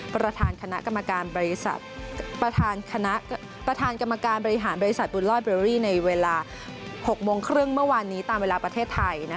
ประธานกรรมการบริหารบริษัทบุญลอยเบอร์รี่ในเวลา๖โมงครึ่งเมื่อวานนี้ตามเวลาประเทศไทย